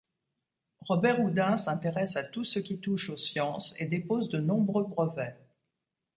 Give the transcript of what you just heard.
Robert-Houdin s'intéresse à tout ce qui touche aux sciences et dépose de nombreux brevets.